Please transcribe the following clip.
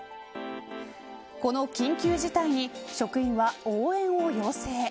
この緊急事態に職員は応援を要請。